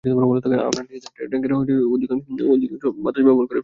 আমরা নিজেদের ট্যাঙ্কের অধিকাংশ বাতাস ব্যবহার করে ফেলেছিলাম।